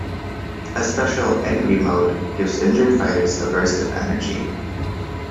A special "Angry Mode" gives injured fighters a burst of energy.